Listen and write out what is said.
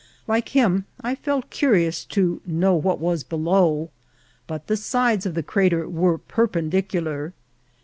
Like him, I felt curious to "know what was below;" but the sides of the crater were perpendicular.